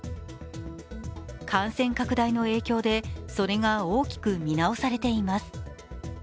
感染拡大の影響でそれが大きく見直されています。